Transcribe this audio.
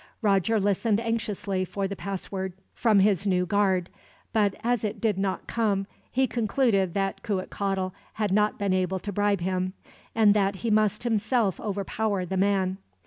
Roger listened anxiously for the password from his new guard; but as it did not come, he concluded that Cuitcatl had not been able to bribe him, and that he must himself overpower the man.